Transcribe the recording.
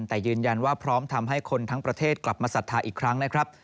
แต่ยืนยันว่าพร้อมทำให้คนทั้งประเทศกลับมาศรัทธาอีกครั้งนะครับ